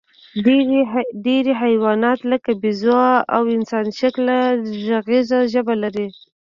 ډېری حیوانات، لکه بیزو او انسانشکله غږیزه ژبه لري.